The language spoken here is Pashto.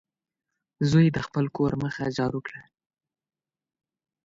زوی د خپل کور مخه جارو کړه.